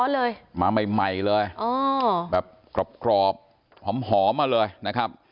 เลยมาใหม่เลยแบบกรอบหอมมาเลยนะครับ